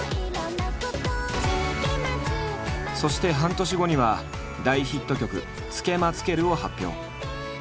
そして半年後には大ヒット曲「つけまつける」を発表。